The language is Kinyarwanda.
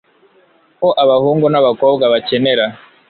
ko abahungu n'abakobwa bakenera